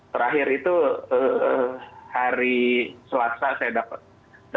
terakhir itu hari selasa saya dapat